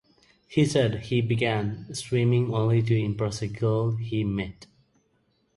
He said he began swimming only to impress a girl he met.